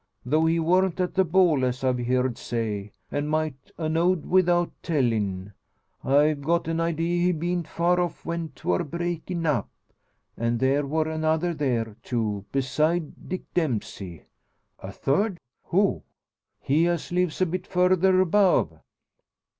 Though he worn't at the ball, as I've heerd say and might a' know'd without tellin' I've got an idea he beant far off when 'twor breakin' up. An' there wor another there, too, beside Dick Dempsey." "A third! Who?" "He as lives a bit further above."